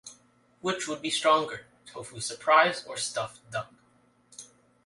Which would be stronger: tofu surprise or stuffed duck?